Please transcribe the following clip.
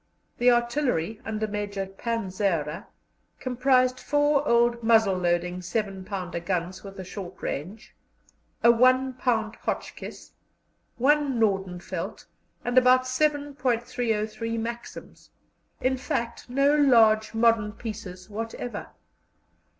The artillery, under Major Panzera, comprised four old muzzle loading seven pounder guns with a short range, a one pound Hotchkiss, one Nordenfeldt, and about seven ^{.}303 Maxims in fact, no large modern pieces whatever.